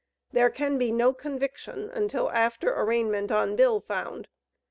There can be no conviction until after arraignment on bill found.